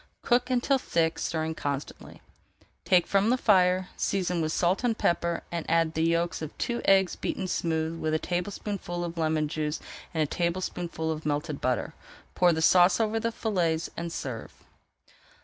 Cook until thick, stirring constantly. Take from the fire, season with salt and pepper, and add the yolks of two eggs beaten smooth with a teaspoonful of lemon juice and a tablespoonful of melted butter. Pour the sauce over the fillets and serve.